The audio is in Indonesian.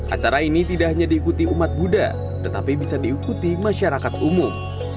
acara ini tidak hanya diikuti umat buddha tetapi bisa diikuti masyarakat umum